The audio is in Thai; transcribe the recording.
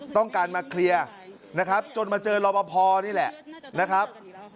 ต้องการมาเคลียร์นะครับจนมาเจอรอบพอนี่แหละนะครับ